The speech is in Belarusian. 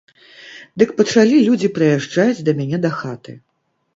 Дык пачалі людзі прыязджаць да мяне дахаты.